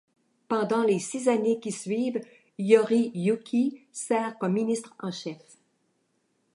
Pendant les six années qui suivent Yoriyuki sert comme ministre en chef.